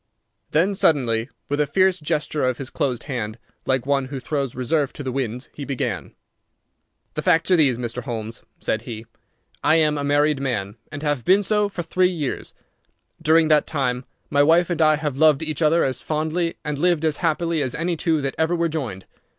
Then suddenly, with a fierce gesture of his closed hand, like one who throws reserve to the winds, he began. "The facts are these, Mr. Holmes," said he. "I am a married man, and have been so for three years. During that time my wife and I have loved each other as fondly and lived as happily as any two that ever were joined.